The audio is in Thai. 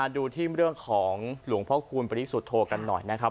ดูให้เรื่องหลวงพระครูลปฎิสุทธโทชน์กันหน่อยนะครับ